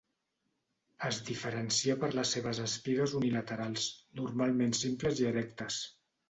Es diferencia per les seves espigues unilaterals, normalment simples i erectes.